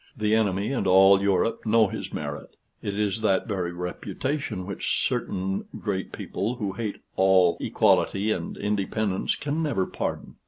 The enemy and all Europe know his merit; it is that very reputation which certain great people, who hate all equality and independence, can never pardon."